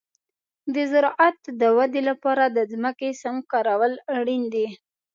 د زراعت د ودې لپاره د ځمکې سم کارول اړین دي.